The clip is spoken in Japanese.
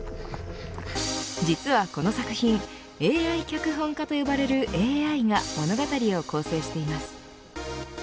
実はこの作品ＡＩ脚本家と呼ばれるＡＩが物語を構成しています。